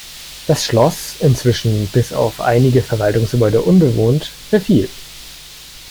Das Schloss, inzwischen bis auf einige Verwaltungsgebäude unbewohnt, verfiel.